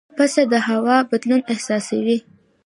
پسه د هوا بدلون احساسوي.